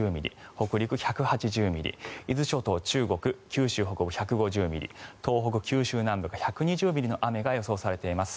北陸、１８０ミリ伊豆諸島、中国、九州北部が１５０ミリ東北、九州南部が１２０ミリの雨が予想されています。